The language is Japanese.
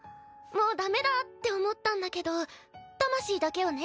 もうダメだって思ったんだけど魂だけをね